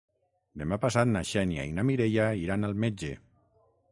Demà passat na Xènia i na Mireia iran al metge.